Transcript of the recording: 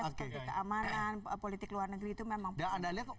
seperti keamanan politik luar negeri itu memang